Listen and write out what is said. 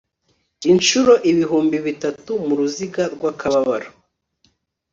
inshuro ibihumbi bitatu muruziga rw'akababaro